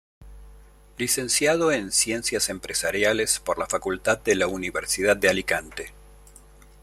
Licenciado en Ciencias empresariales por la Facultad de la Universidad de Alicante.